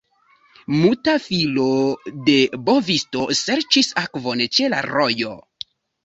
Muta filo de bovisto serĉis akvon ĉe la rojo.